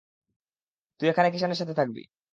তুই এখানে কিষাণের সাথে থাকবি।